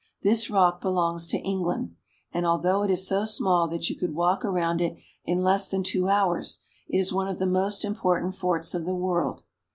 This rock belongs to England, and, although it is so small that you could walk around it in less than two hours, it is one of the most important forts of the world.